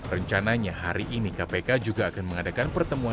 rencananya hari ini kpk juga akan mengadakan pertemuan